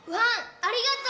ありがとう！